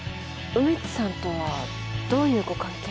梅津さんとはどういうご関係？